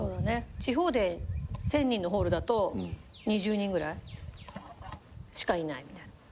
地方で１，０００人のホールだと２０人ぐらいしかいないみたいな。